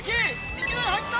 いきなり入った！